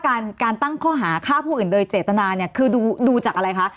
การการตั้งข้อหาฆ่าผู้อื่นโดยเจตนาเนี่ยคือดูจากอะไรคะ